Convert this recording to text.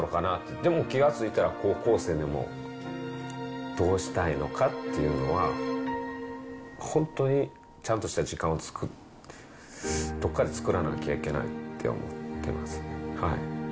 でも気がついたら高校生で、でもどうしたいのかっていうのは、本当にちゃんとした時間を、どっかで作らなきゃいけないと思ってますね。